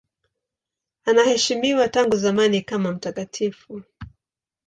Anaheshimiwa tangu zamani kama mtakatifu.